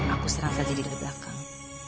aku serang saja dia dari belakang